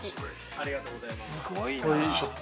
ありがとうございます。